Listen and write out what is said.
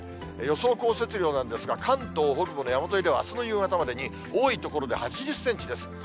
予想降雪量なんですが、関東北部の山沿いでは、あすの夕方までに多い所で８０センチです。